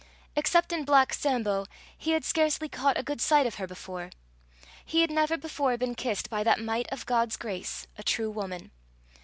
Except in black Sambo he had scarcely caught a good sight of her before. He had never before been kissed by that might of God's grace, a true woman.